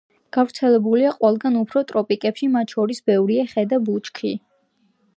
გვარცელებულია ყველგან, უფრო ტროპიკებში, მათ შორის ბევრია ხე და ბუჩქი.